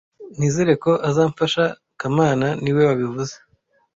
Nizere ko azamfasha kamana niwe wabivuze